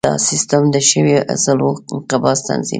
دا سیستم د ښویو عضلو انقباض تنظیموي.